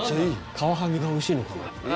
カワハギがおいしいのかな？